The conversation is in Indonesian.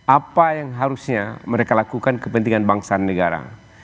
apa yang harusnya mereka lakukan kepentingan bangsa dan negara